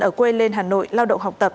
ở quê lên hà nội lao động học tập